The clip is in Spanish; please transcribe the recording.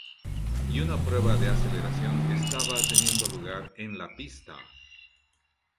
Y una prueba de aceleración estaba teniendo lugar en la pista.